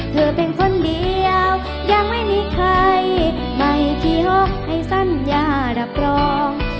เธอเป็นคนเดียวยังไม่มีใครไม่คีหกให้สัญญารับรอง